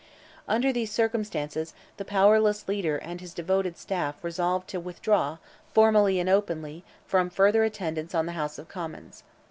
Under these circumstances, the powerless leader and his devoted staff resolved to withdraw, formally and openly, from further attendance on the House of Commons.